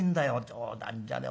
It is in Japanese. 冗談じゃねえ